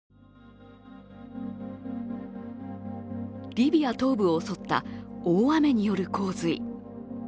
リビア東部を襲った大雨による洪水。